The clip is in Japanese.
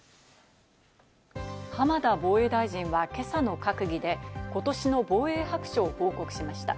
浜田防衛大臣は今朝の閣議でことしの防衛白書を報告しました。